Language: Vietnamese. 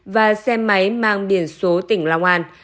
và xe máy mang điển số tỉnh long an